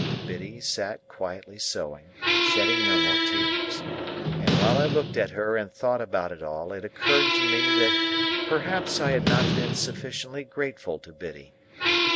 Biddy sat quietly sewing, shedding no more tears, and while I looked at her and thought about it all, it occurred to me that perhaps I had not been sufficiently grateful to Biddy.